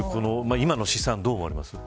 今の試算、どう思われますか。